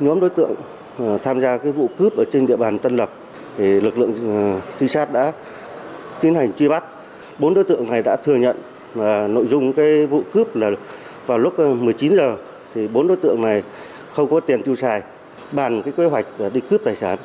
nhóm đối tượng này không có tiền tiêu xài bàn cái kế hoạch đi cướp tài sản